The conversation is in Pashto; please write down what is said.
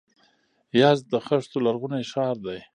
یزد د خښتو لرغونی ښار دی.